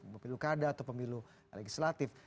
pemilu kada atau pemilu legislatif